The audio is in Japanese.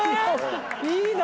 いいな！